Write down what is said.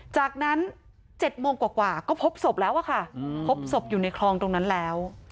จากนั้น๗โมงกว่าก็พบศพแล้วอะค่ะพบศพอยู่ในคลองตรงนั้นแล้ว